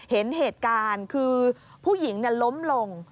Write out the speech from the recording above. เห็นเหตุการณ์คือผู้หญิงล้มลง